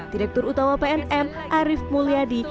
direktur utama pnm arief mulyadi